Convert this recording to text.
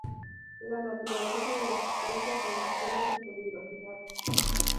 La naturaleza de la sustancia condiciona su peligrosidad.